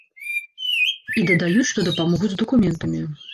І дадаюць, што дапамогуць з дакументамі.